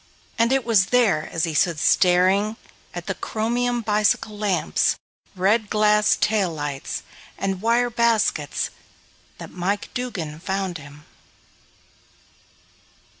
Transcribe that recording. And it was there, as he stood staring in at the chromium bicycle lamps, red glass tail lights, and wire baskets, that Mike Dugan found him.